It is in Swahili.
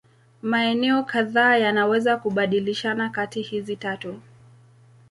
Maeneo kadhaa yanaweza kubadilishana kati hizi tatu.